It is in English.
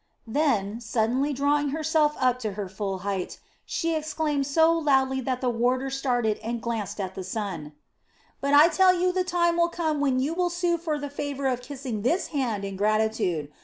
Then, suddenly drawing herself up to her full height, she exclaimed so loudly that the warder started and glanced at the sun: "But I tell you the time will come when you will sue for the favor of kissing this hand in gratitude.